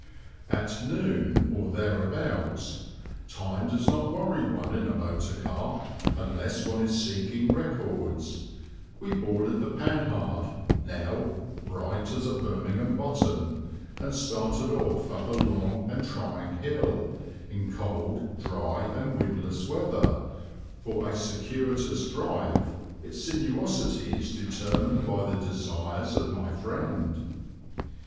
At noon or thereabouts time does not worry one in a motor car, unless one is seeking records we boarded the Panhard, now "bright as a Birmingham button," and started off up a long and trying hill, in cold, dry, and windless weather, for a circuitous drive, its sinuosities determined by the desires of my friend.